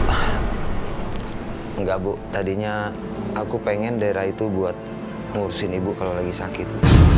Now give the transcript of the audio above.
ah enggak bu tadinya aku pengen daerah itu buat ngurusin ibu kalau lagi sakit